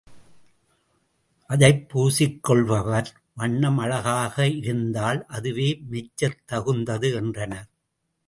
அதைப் பூசிக் கொள்பவர் வண்ணம் அழகாக இருந்தால் அதுவே மெச்சத்தகுந்தது என்றனர்.